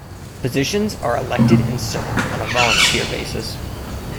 Positions are elected and served on a volunteer basis.